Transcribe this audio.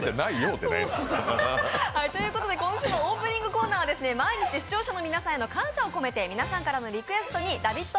今週のオープニングコーナーは視聴者の皆さんへの感謝を込めて、皆さんからのリクエストに「ラヴィット！」